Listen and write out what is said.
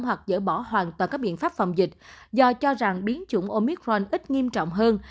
hoặc dỡ bỏ hoàn toàn các biện pháp phòng dịch do cho rằng biến chủng omicron ít nghiêm trọng hơn